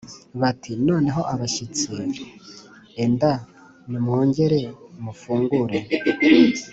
bati: ‘noneho bashyitsi, enda nimwongere mufungure,